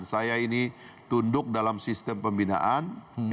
saya ini tunduk dalam sistem pembinaan